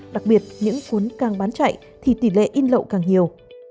đặc biệt những cuốn càng bán chạy thì tỷ lệ in lậu càng nhiều